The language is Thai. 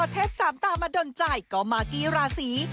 เทศสามตามาดนใจก็มากกี้ราศี